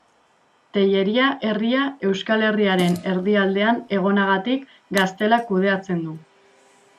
Telleria herria Euskal Herriaren erdialdean egonagatik Gaztelak kudeatzen du.